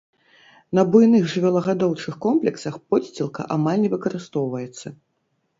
На буйных жывёлагадоўчых комплексах подсцілка амаль не выкарыстоўваецца.